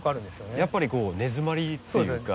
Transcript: やっぱりこう根詰まりっていうか。